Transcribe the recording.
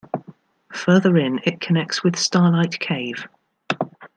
Further in it connects with "Starlight Cave".